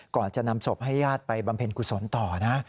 ก่อนจะนำศพให้ญาติไปบำเพ็ญกุศลต่อนะ